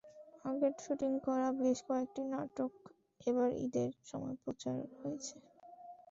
আগের শুটিং করা বেশ কয়েকটি নাটক এবার ঈদের সময় প্রচার হয়েছে।